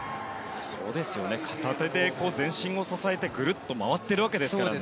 片手で、全身を支えてグルッと回っているわけですね。